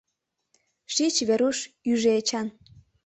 — Шич, Веруш, — ӱжӧ Эчан.